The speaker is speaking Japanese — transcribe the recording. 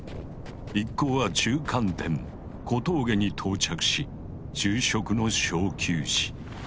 一行は中間点・小峠に到着し昼食の小休止。